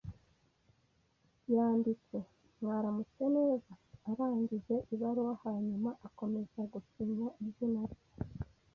Yanditse "Mwaramutse neza" arangije ibaruwa hanyuma akomeza gusinya izina rye.